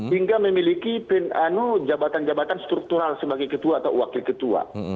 hingga memiliki jabatan jabatan struktural sebagai ketua atau wakil ketua